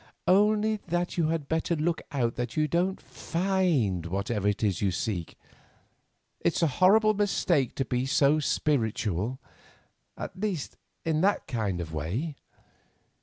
"Only that you had better look out that you don't find whatever it is you seek. It's a horrible mistake to be so spiritual, at least in that kind of way.